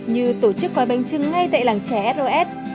như tổ chức gói bánh trưng ngay tại làng trẻ sos